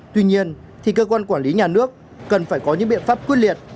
tuy nhiên thì cơ quan quản lý nhà nước cần phải có những biện pháp quyết liệt